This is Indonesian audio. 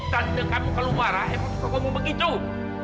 tante kamu kalau marah eva suka kamu begitu